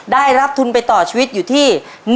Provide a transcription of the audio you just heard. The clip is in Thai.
ได้รับทุนไปต่อชีวิตอยู่ที่